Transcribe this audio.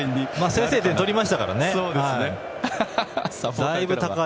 先制点取りましたからね。